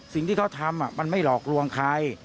สิ่งที่เขาทำมันไม่หลอกลวงใคร